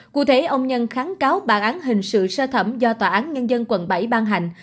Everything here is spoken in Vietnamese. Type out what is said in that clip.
cụ thể ông nhân kháng cáo bản án hình sự sơ thẩm do tòa án nhân dân quận bảy ban hành